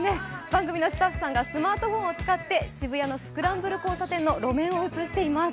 番組のスタッフさんがスマートフォンを使って渋谷のスクランブル交差点の路面を映しています。